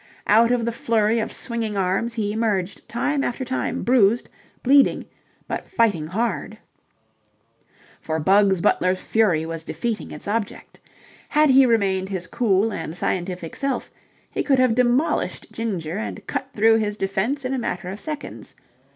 Out of the flurry of swinging arms he emerged time after time bruised, bleeding, but fighting hard. For Bugs Butler's fury was defeating its object. Had he remained his cool and scientific self, he could have demolished Ginger and cut through his defence in a matter of seconds.